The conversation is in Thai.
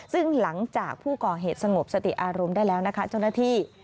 ซึ่งหลังจากผู้ก่อเหตุสงบสติอารมณ์ได้แล้วนะคะเจ้าหน้าที่